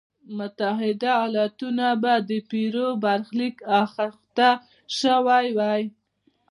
متحده ایالتونه به د پیرو برخلیک اخته شوی وای.